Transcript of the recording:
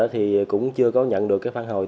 thì cũng chưa có nhận được phản hồi